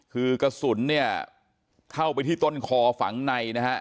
คือกระสุนเนี่ยเข้าไปที่ต้นคอฝังในนะฮะ